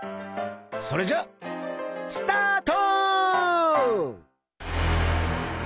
それじゃあスタート！